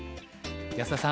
安田さん